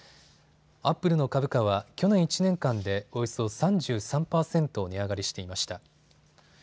アップルの株価は去年１年間でおよそ３３％値上がりしていました。